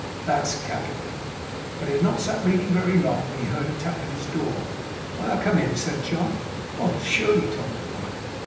That's capital!' But he had not sat reading very long, when he heard a tap at his door. 'May I come in?' said John. 'Oh, surely!' Tom replied.